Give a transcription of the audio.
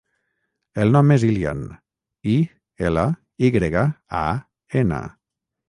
El nom és Ilyan: i, ela, i grega, a, ena.